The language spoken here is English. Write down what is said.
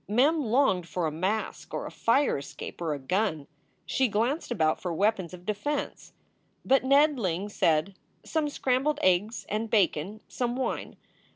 Mem longed for a mask or a fire escape or a gun. She glanced about for weapons of defense. But Ned Ling said: "Some scrambled eggs and bacon some wine.